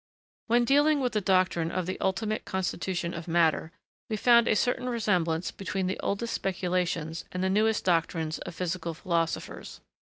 When dealing with the doctrine of the ultimate constitution of matter, we found a certain resemblance between the oldest speculations and the newest doctrines of physical philosophers.